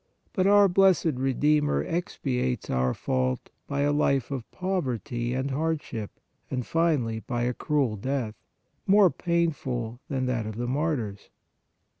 But our Blessed Redeemer expiates our fault by a life of poverty and hardship, and finally by a cruel death, more painful than that of the martyrs.